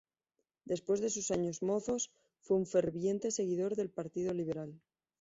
Desde sus años mozos fue un ferviente seguidor del Partido Liberal.